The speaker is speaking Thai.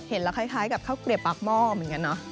เห็นแล้วคล้ายกับข้าวเกลียบปากหม้อเหมือนกันเนอะ